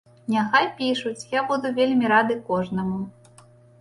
Няхай пішуць, я буду вельмі рады кожнаму.